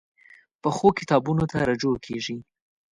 پخو کتابونو ته رجوع کېږي